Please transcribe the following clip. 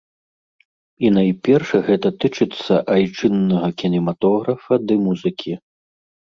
І найперш гэта тычыцца айчыннага кінематографа ды музыкі.